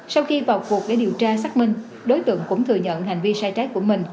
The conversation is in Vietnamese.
sau khi vào cuộc để điều tra xác minh đối tượng cũng thừa nhận hành vi sai trái của mình